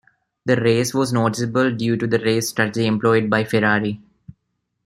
The race was noticeable due to the race strategy employed by Ferrari.